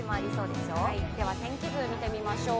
天気図を見てみましょう。